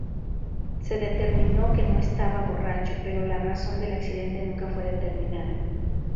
Se determinó que no estaba borracho, pero la razón del accidente nunca fue determinada.